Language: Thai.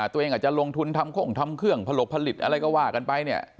ตัวเองอาจจะลงทุนทำโค้งทำเครื่องผลกผลิตอะไรก็ว่ากันไปเนี่ย